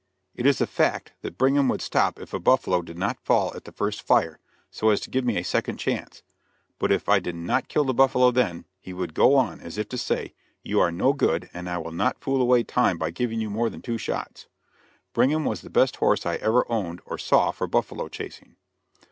It is a fact, that Brigham would stop if a buffalo did not fall at the first fire, so as to give me a second chance, but if I did not kill the buffalo then, he would go on, as if to say, "You are no good, and I will not fool away time by giving you more than two shots." Brigham was the best horse I ever owned or saw for buffalo chasing.